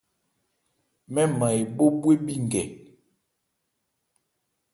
Mɛ́n nman ebhó bhwe bhi nkɛ.